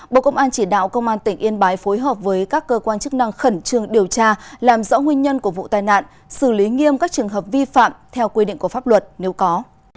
bộ công an chỉ đạo công an tỉnh yên bái phối hợp với các cơ quan chức năng khẩn trương điều tra làm rõ nguyên nhân của vụ tai nạn xử lý nghiêm các trường hợp vi phạm theo quy định của pháp luật nếu có